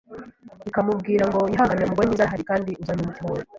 ikamubwira ngo yihangane umugore mwiza arahari kandi uzanyura umutima we